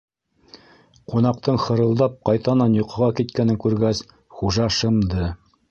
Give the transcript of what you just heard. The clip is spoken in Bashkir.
- «Ҡунаҡ»тың хырылдап ҡайтанан йоҡоға киткәнен күргәс, хужа шымды.